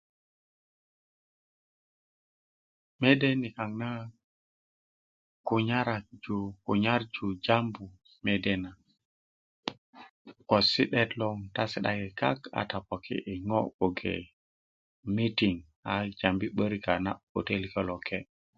mede nikaŋ na kunyarju kunyarju jambu mede na ko si'det lo ta si'daki kak poki i ŋo bgoge meeting a jambi a 'börik a na'but ko teiliko loke